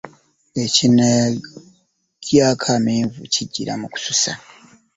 Ekinakulyako amenvu kijjira mu kususa .